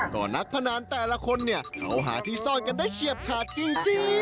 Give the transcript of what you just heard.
ก็นักพนันแต่ละคนเนี่ยเขาหาที่ซ่อนกันได้เฉียบขาดจริง